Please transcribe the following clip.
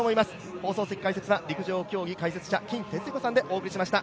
放送席解説は陸上競技解説者、金哲彦さんでお送りしました。